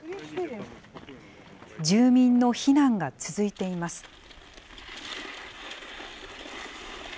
住民の避難が続いています。